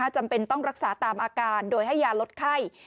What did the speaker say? จำเป็นต้องรักษาตามอาการโดยให้ยาลดไข้